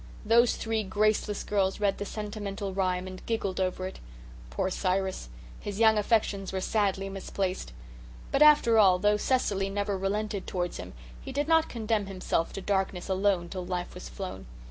Those three graceless girls read the sentimental rhyme and giggled over it. Poor Cyrus! His young affections were sadly misplaced. But after all, though Cecily never relented towards him, he did not condemn himself to darkness alone till life was flown.